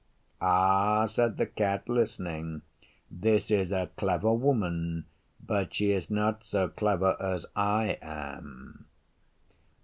'Ah,' said the Cat, listening, 'this is a clever Woman, but she is not so clever as I am.